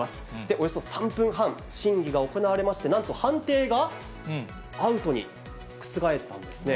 およそ３分半、審議が行われまして、なんと判定が、アウトに覆ったんですね。